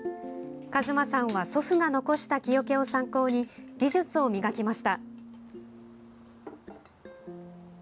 かずまさんは祖父が残した木おけを参考に技術を磨きました。